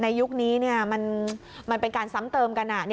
ในยุคนี้เนี้ยมันเป็นการซ้ำเติมกันอ่ะ